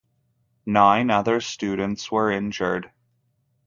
Nine other students were injured.